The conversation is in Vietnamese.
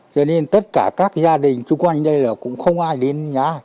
cho nên tất cả các gia đình chung quanh đây là cũng không ai đến nhà